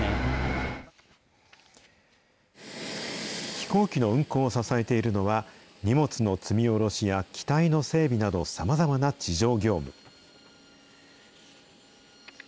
飛行機の運航を支えているのは、荷物の積み降ろしや機体の整備など、さまざまな地上業務。